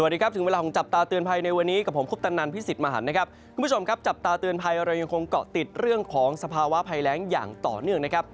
สวัสดีครับถึงเวลาของจับตาเตือนภัยในวันนี้กับผมคุปตนันพิสิทธิ์มหันนะครับคุณผู้ชมครับจับตาเตือนภัยเรายังคงเกาะติดเรื่องของสภาวะภัยแรงอย่างต่อเนื่องนะครับ